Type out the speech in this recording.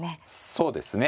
そうですね。